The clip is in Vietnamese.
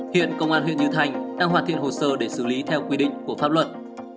hiện công an huyện như thành đang hoàn thiện hồ sơ để xử lý theo quy định của pháp luật